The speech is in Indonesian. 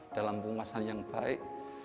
dalam bungasan yang baik